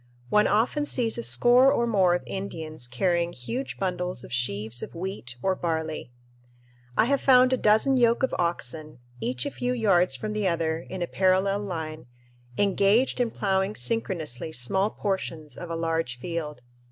One often sees a score or more of Indians carrying huge bundles of sheaves of wheat or barley. I have found a dozen yoke of oxen, each a few yards from the other in a parallel line, engaged in ploughing synchronously small portions of a large field.